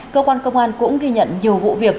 cơ quan công an cũng ghi nhận nhiều vụ việc